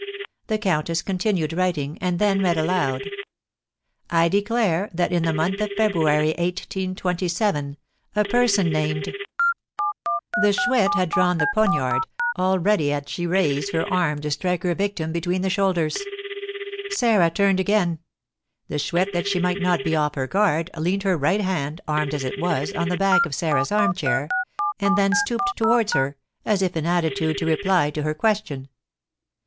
The countess continued writing, and then read aloud: "I declare that, in the month of February, 1827, a person named " The Chouette had drawn the poniard; already had she raised her arm to strike her victim between the shoulders; Sarah turned again. The Chouette, that she might not be off her guard, leaned her right hand, armed as it was, on the back of Sarah's armchair, and then stooped towards her, as if in attitude to reply to her question.